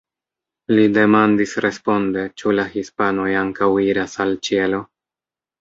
Li demandis responde: "Ĉu la hispanoj ankaŭ iras al ĉielo?